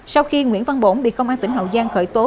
sau khi nguyễn văn bổn bị công an tỉnh hậu giang khởi tố